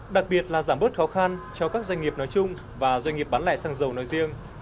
đặc biệt là giảm bớt khó khăn cho các doanh nghiệp nói chung và doanh nghiệp bán lại xăng dầu nói riêng